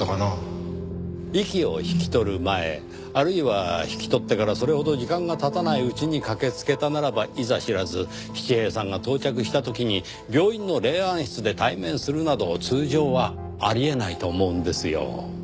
息を引き取る前あるいは引き取ってからそれほど時間が経たないうちに駆けつけたならばいざ知らず七平さんが到着した時に病院の霊安室で対面するなど通常はあり得ないと思うんですよ。